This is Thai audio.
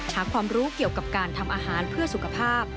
หาความรู้เกี่ยวกับการทำอาหารเพื่อสุขภาพ